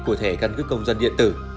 của thẻ căn cứ công dân điện tử